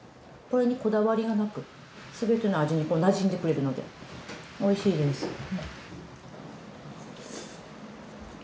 これにこだわりがなくすべての味になじんでくれるのでおいしいです。